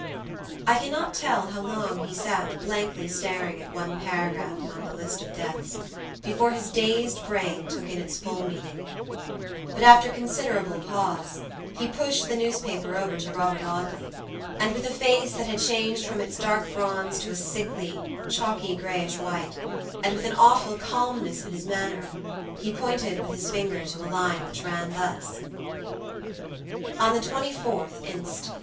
I cannot tell how long he sat blankly staring at one paragraph among the list of deaths, before his dazed brain took in its full meaning; but after considerable pause he pushed the newspaper over to Robert Audley, and with a face that had changed from its dark bronze to a sickly, chalky grayish white, and with an awful calmness in his manner, he pointed with his finger to a line which ran thus: "On the 24th inst.